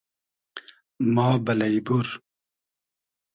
ما بئلݷ بور